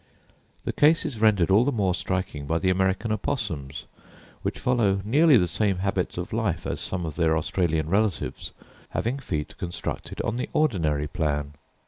The case is rendered all the more striking by the American opossums, which follow nearly the same habits of life as some of their Australian relatives, having feet constructed on the ordinary plan.